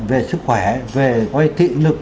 về sức khỏe về thị lực